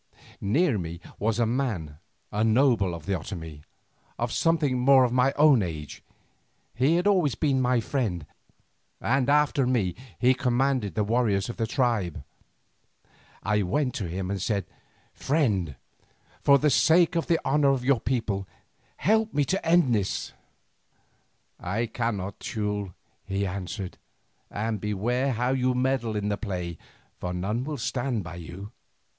Near me was a man, a noble of the Otomie, of something more than my own age. He had always been my friend, and after me he commanded the warriors of the tribe. I went to him and said, "Friend, for the sake of the honour of your people, help me to end this." "I cannot, Teule," he answered, "and beware how you meddle in the play, for none will stand by you.